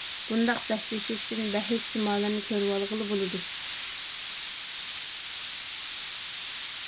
بۇنداق بەسلىشىشتىن بەھىس سىمالىرىنى كۆرۈۋالغىلى بولىدۇ.